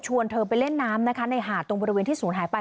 เธอไปเล่นน้ำนะคะในหาดตรงบริเวณที่ศูนย์หายไป